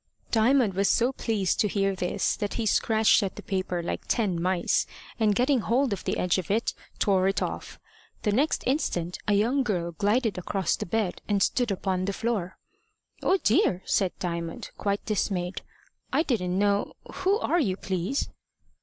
Diamond was so pleased to hear this that he scratched at the paper like ten mice, and getting hold of the edge of it, tore it off. The next instant a young girl glided across the bed, and stood upon the floor. "Oh dear!" said Diamond, quite dismayed; "I didn't know who are you, please?"